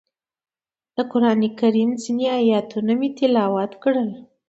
د قرانکریم ځینې ایتونه مې تلاوت کړل.